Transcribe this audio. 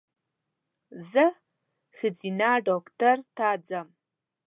زه ښځېنه ډاکټر ته ځم